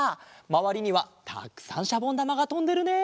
まわりにはたくさんしゃぼんだまがとんでるね！